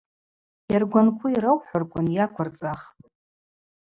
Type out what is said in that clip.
Йаргванкву йраухӏвырквын, йаквырцӏахпӏ.